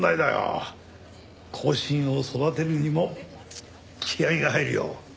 後進を育てるにも気合が入るよ。